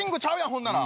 ほんなら。